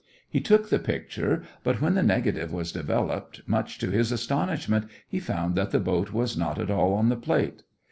He took the picture, but when the negative was developed, much to his astonishment he found that the boat was not all on the plate.